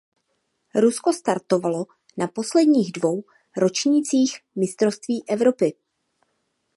Rusko startovalo na posledních dvou ročnících mistrovství Evropy.